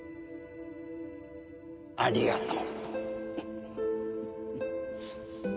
ありがとう。